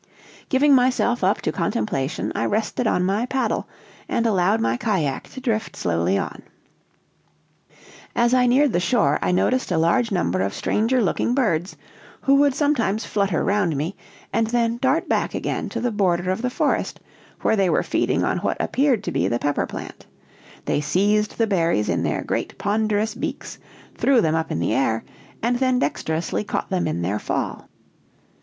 Giving myself up to contemplation, I rested my paddle, and allowed my cajack to drift slowly on. "As I neared the shore, I noticed a large number of stranger looking birds, who would sometimes flutter round me, and then dart back again to the border of the forest, where they were feeding on what appeared to be the pepper plant; they seized the berries in their great, ponderous beaks, threw them up into the air, and then dexterously caught them in their fall.